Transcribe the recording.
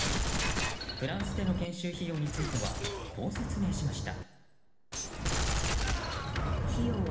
フランスでの研修費用についてはこう説明しました。